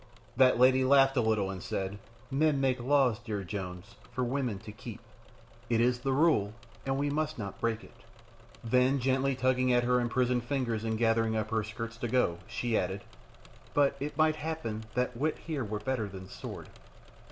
That lady laughed a little and said, "Men make laws, dear Jones, for women to keep. It is the rule, and we must not break it." Then, gently tugging at her imprisoned fingers and gathering up her skirts to go, she added, "But it might happen that wit here were better than sword."